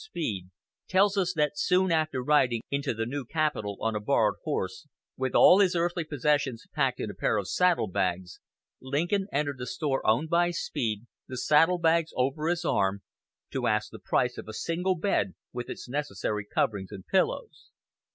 Speed, tells us that soon after riding into the new capital on a borrowed horse, with all his earthly possessions packed in a pair of saddle bags, Lincoln entered the store owned by Speed, the saddle bags over his arm, to ask the price of a single bed with its necessary coverings and pillows.